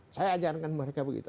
saya ajarkan mereka begitu